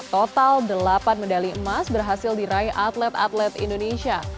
total delapan medali emas berhasil diraih atlet atlet indonesia